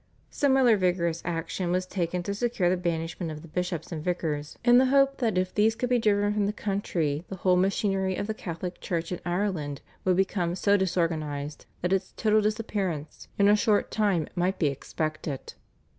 Similar vigorous action was taken to secure the banishment of the bishops and vicars, in the hope that if these could be driven from the country the whole machinery of the Catholic Church in Ireland would become so disorganised that its total disappearance in a short time might be expected.